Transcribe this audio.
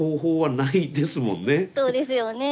そうですよね。